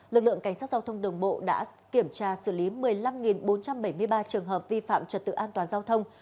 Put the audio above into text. lực lượng cảnh sát giao thông đường bộ đã kiểm tra xử lý một mươi năm bốn trăm bảy mươi ba trường hợp vi phạm trật tự an toàn giao thông